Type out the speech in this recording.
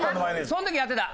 その時やってた。